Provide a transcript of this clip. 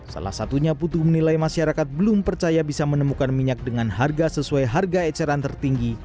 salah satunya putu menilai masyarakat belum percaya bisa menemukan minyak dengan harga sesuai harga eceran tertinggi